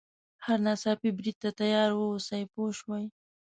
هر ناڅاپي برید ته تیار واوسي پوه شوې!.